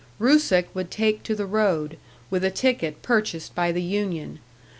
Rusick would take to the road, with a ticket purchased by the union.